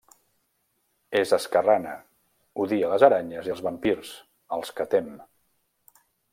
És esquerrana, odia les aranyes i els vampirs, als que tem.